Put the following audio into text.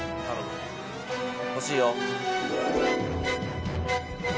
欲しいよ。